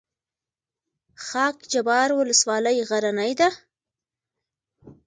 خاک جبار ولسوالۍ غرنۍ ده؟